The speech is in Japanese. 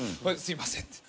「すいません」